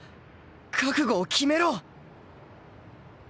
覚悟を決めろ！